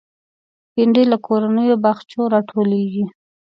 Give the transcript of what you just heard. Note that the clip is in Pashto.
بېنډۍ له کورنیو باغچو راټولېږي